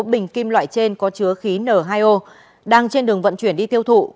bình kim loại trên có chứa khí n hai o đang trên đường vận chuyển đi thiêu thụ